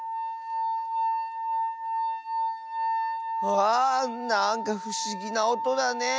わあなんかふしぎなおとだね。